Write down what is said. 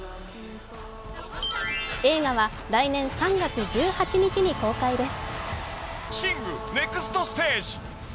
映画は来年３月１８日に公開です。